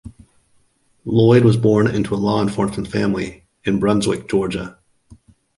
Lloyd was born into a law-enforcement family in Brunswick, Georgia.